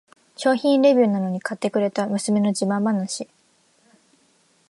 商品レビューなのに買ってくれた娘の自慢話